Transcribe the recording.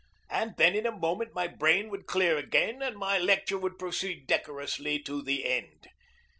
And then in a moment my brain would clear again, and my lecture would proceed decorously to the end.